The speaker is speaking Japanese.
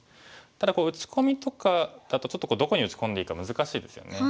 ただ打ち込みとかだとちょっとどこに打ち込んでいいか難しいですよね。